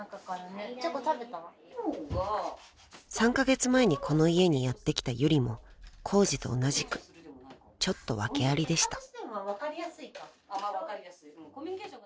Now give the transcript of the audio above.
［３カ月前にこの家にやって来たユリもコウジと同じくちょっと訳ありでした］